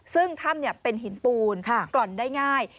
ซึ่งถ้ำเป็นหินปูนกล่อนได้ง่าย